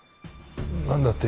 何だって？